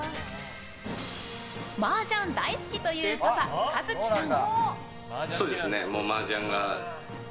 マージャン大好きというパパ、一樹さん。